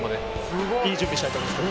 良い準備したいと思います。